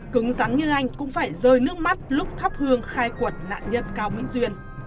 cứng rắn như anh cũng phải rơi nước mắt lúc thắp hương khai quật nạn nhân cao minh duyên